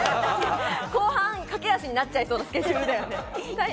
後半駆け足になっちゃいそう。